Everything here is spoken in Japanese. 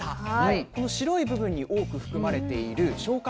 この白い部分に多く含まれている消化